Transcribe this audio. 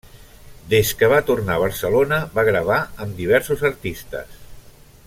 Des que va tornar a Barcelona va gravar amb diversos artistes.